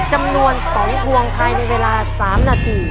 จำนวน๒พวงภายในเวลา๓นาที